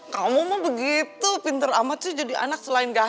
kamu mah begitu pinter amat sih jadi anak selain gajah